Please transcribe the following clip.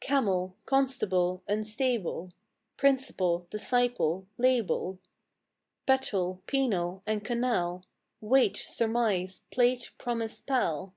Camel; constable, unstable; Principle, disciple; label; Petal, penal and canal; Wait, surmise, plait, promise; pal.